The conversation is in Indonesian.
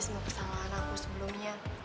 semua kesalahan aku sebelumnya